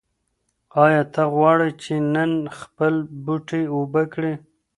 ایا ته غواړې چې نن خپل بوټي اوبه کړې؟